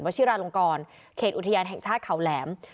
ชิราลงกรเขตอุทยานแห่งชาติเขาแหลม